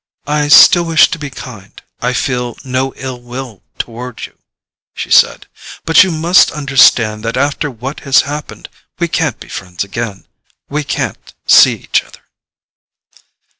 "I still wish to be kind; I feel no ill will toward you," she said. "But you must understand that after what has happened we can't be friends again—we can't see each other."